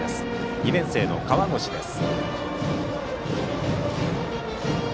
２年生の河越です。